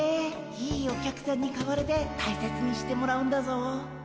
いいお客さんに買われて大切にしてもらうんだぞ。